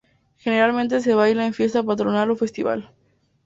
Generalmente se baila en fiesta patronal o festival.